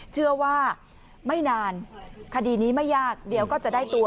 เชื่อว่าไม่นานคดีนี้ไม่ยากเดี๋ยวก็จะได้ตัว